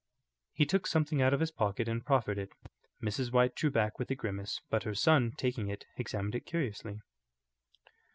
He took something out of his pocket and proffered it. Mrs. White drew back with a grimace, but her son, taking it, examined it curiously.